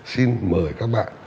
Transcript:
xin mời các bạn